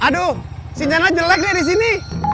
aduh sinyalnya jelek nih disini